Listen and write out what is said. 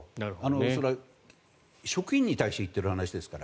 それは職員に対して言っている話ですから。